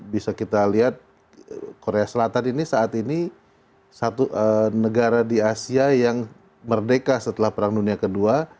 bisa kita lihat korea selatan ini saat ini satu negara di asia yang merdeka setelah perang dunia ii